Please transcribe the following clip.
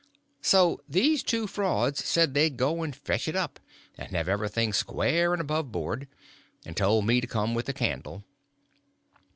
So these two frauds said they'd go and fetch it up, and have everything square and above board; and told me to come with a candle.